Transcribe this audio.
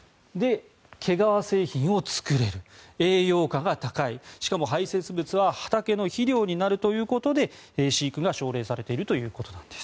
毛皮製品を作れる栄養価が高い、しかも排泄物は畑の肥料になるということで飼育が奨励されているということなんです。